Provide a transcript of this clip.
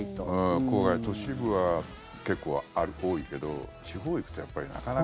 都市部は結構多いけど地方行くと、やっぱりなかなか。